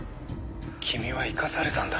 君は生かされたんだ。